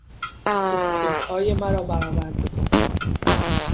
استدعای مرا برآورده کن!